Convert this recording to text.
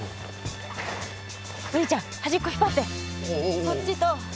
お兄ちゃん端っこ引っ張って。